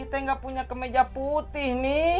pipi pipi nggak punya kemeja putih mi